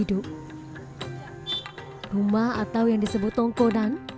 rumah atau yang disebut tongkonan